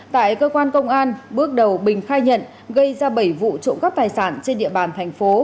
tại cơ quan công an bước đầu bình khai nhận gây ra bảy vụ trộm cắp tài sản trên địa bàn thành phố